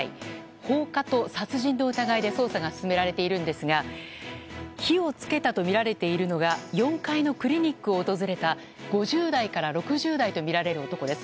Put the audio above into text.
放火と殺人の疑いで捜査が進められているんですが火を付けたとみられているのが４階のクリニックを訪れた５０代から６０代とみられる男です。